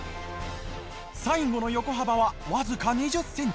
最後の横幅はわずか２０センチ。